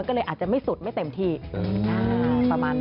ก็เลยอาจจะไม่สุดไม่เต็มที่ประมาณนั้น